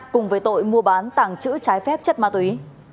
cùng với tội mua bán tẳng chữ trái phép chất ma túy